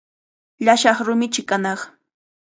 Llasaq rumichi kanaq.